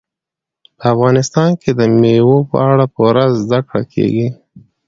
په افغانستان کې د مېوو په اړه پوره زده کړه کېږي.